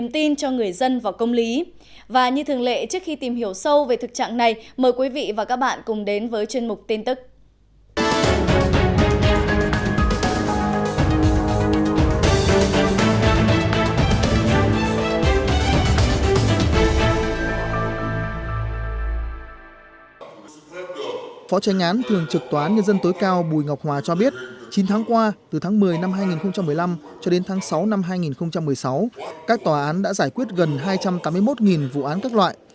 chín tháng qua từ tháng một mươi năm hai nghìn một mươi năm cho đến tháng sáu năm hai nghìn một mươi sáu các tòa án đã giải quyết gần hai trăm tám mươi một vụ án các loại